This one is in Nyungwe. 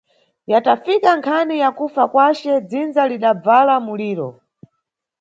Yatafika nkhani ya kufa kwace, dzinza lidabvala muliro.